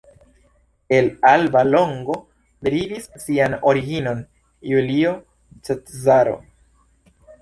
El Alba Longo derivis sian originon Julio Cezaro.